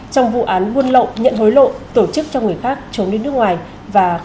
trong vụ án buôn lộ nhận hối lộ tổ chức cho người khác chống đến nước ngoài và khám phá